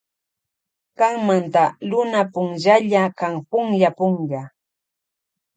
Kanmanta Luna punchalla kan punlla punlla.